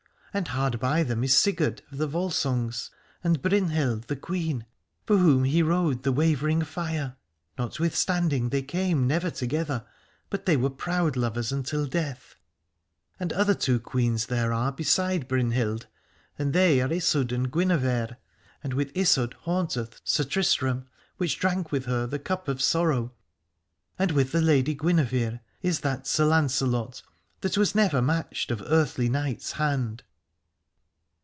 And hard by them is Sigurd of the Volsungs, and Brynhild the Queen, for whom he rode the Wavering Fire : notwithstanding they came never together, but they were proud lovers until death. And other two queens there 327 Aladore are beside Brynhild, and they are Isoud and Guinevere ; and with Isoud haunteth Sir Tristram, which drank with her the cup of sorrow, and with the lady Guinevere is that Sir Lancelot, that was never matched of earthly knight's hand.